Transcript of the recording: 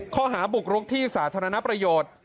ข้อหาบุกรุกที่สาธารณประโยชน์